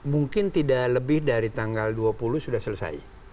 mungkin tidak lebih dari tanggal dua puluh sudah selesai